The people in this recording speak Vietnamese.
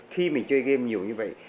khi mình chơi game nhiều như vậy